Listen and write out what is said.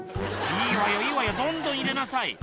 「いいわよいいわよどんどん入れなさい」